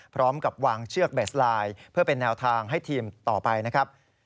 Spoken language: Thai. พร้อมกับวางเชือกเบสไลน์เพื่อเป็นแนวทางให้ทีมต่อไปนะครับ